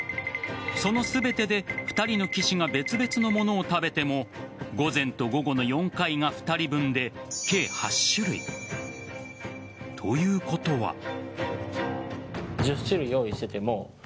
その全てで２人の棋士が別々のものを食べても午前と午後の４回が２人分で計８種類。ということは。